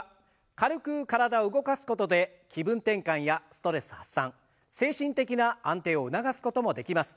軽く体を動かすことで気分転換やストレス発散精神的な安定を促すこともできます。